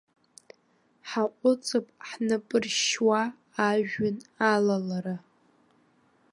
Ҳаҟәыҵып ҳнапыршьшьуа ажәҩан алалара.